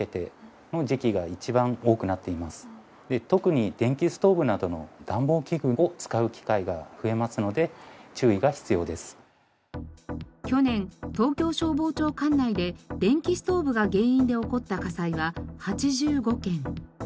特に去年東京消防庁管内で電気ストーブが原因で起こった火災は８５件。